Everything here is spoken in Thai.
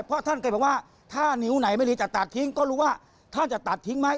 เพราะท่านเคยบอกว่าถ้านิ้วไหนไม่ดีจะตัดทิ้งก็รู้ว่าท่านจะตัดทิ้งไหม